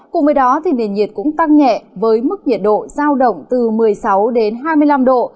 cùng với đó nền nhiệt cũng tăng nhẹ với mức nhiệt độ giao động từ một mươi sáu đến hai mươi năm độ